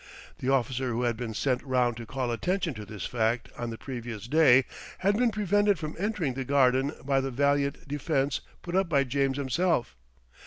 The officer who had been sent round to call attention to this fact on the previous day, had been prevented from entering the garden by the valiant defence put up by James himself.